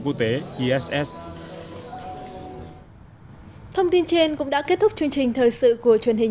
quốc tế thông tin trên cũng đã kết thúc chương trình thời sự của truyền hình